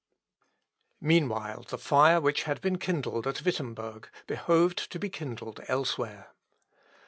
Meanwhile, the fire which had been kindled at Wittemberg behoved to be kindled elsewhere.